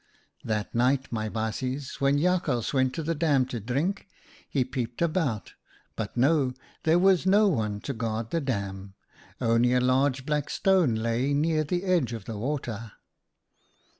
" That night, my baasjes, when Jakhals went to the dam to drink, he peeped about, but no ! there was no one to guard the dam ; only a large black stone lay near the edge of the water.